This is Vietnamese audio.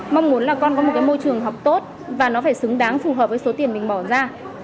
mong muốn là con có một cái môi trường học tốt và nó phải xứng đáng phù hợp với số tiền mình bỏ ra